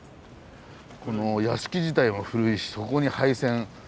この屋敷自体も古いしそこに廃線。